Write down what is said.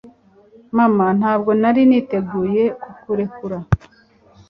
mama, ntabwo nari niteguye kukurekura